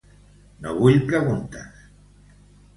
No vull preguntes.